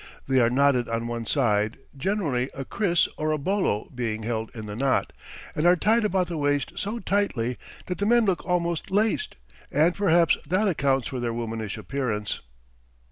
They are knotted on one side, generally a kriss or a bolo being held in the knot, and are tied about the waist so tightly that the men look almost laced, and perhaps that accounts for their womanish appearance.